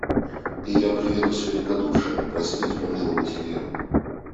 И я приеду с великодушием — простить, помиловать ее.